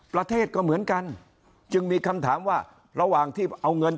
ประเทศก็เหมือนกันจึงมีคำถามว่าระหว่างที่เอาเงิน